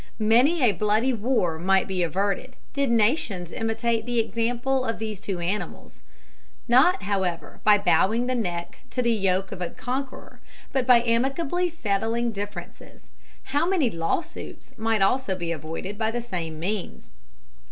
Many a bloody war might be averted, did nations imitate the example of these two animals. Not, however, by bowing the neck to the yoke of a conqueror, but by amicably settling differences. How many law suits might also be avoided by the same means.